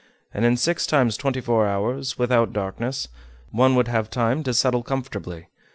And in six times twenty four hours, without darkness, one would have time to settle comfortably.